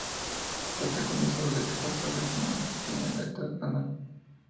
Cuenta con dos aletas dorsales y no tiene aleta anal.